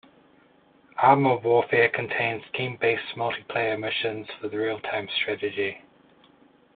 "ArmA Warfare" contains team-based multiplayer missions with realtime strategy.